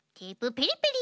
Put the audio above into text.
ペリペリ。